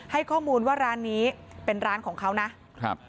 ให้ข้อมูลว่าร้านนี้เป็นร้านของเขานะครับ